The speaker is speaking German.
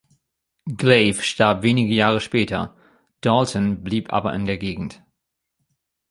Glave starb wenige Jahre später, Dalton blieb aber in der Gegend.